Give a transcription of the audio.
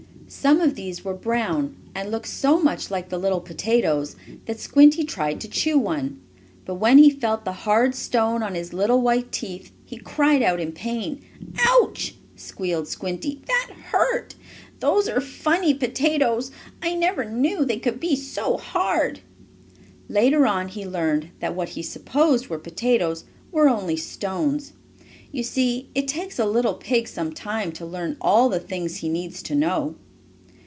Some of these were brown, and looked so much like the little potatoes, that Squinty tried to chew one. But when he felt the hard stone on his little white teeth he cried out in pain. "Ouch!" squealed Squinty. "That hurt! Those are funny potatoes! I never knew they could be so hard." Later on he learned that what he supposed were potatoes were only stones. You see it takes a little pig some time to learn all the things he needs to know.